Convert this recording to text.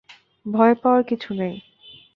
ভয় পাওয়ার কিছু নেই।